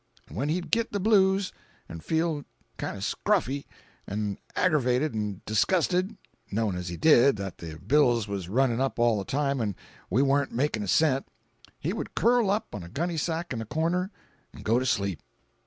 An' when he'd git the blues, 'n' feel kind o'scruffy, 'n' aggravated 'n' disgusted—knowin' as he did, that the bills was runnin' up all the time an' we warn't makin' a cent—he would curl up on a gunny sack in the corner an' go to sleep.